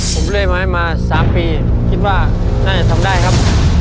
ผมเลื่อยไม้มา๓ปีคิดว่าน่าจะทำได้ครับ